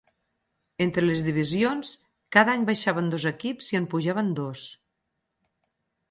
Entre les divisions cada any baixaven dos equips i en pujaven dos.